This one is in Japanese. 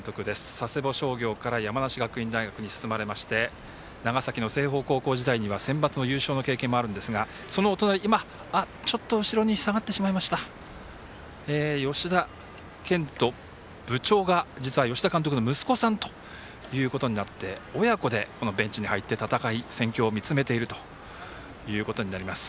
佐世保商業から、山梨学院大学に進まれまして長崎の清峰高校時代にはセンバツの優勝の経験もあるんですが今、ちょっと後ろに下がってしまいました吉田健人部長が実は吉田監督の息子さんということになって親子でベンチに入って戦況を見つめているということになります。